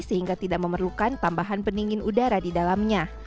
sehingga tidak memerlukan tambahan pendingin udara di dalamnya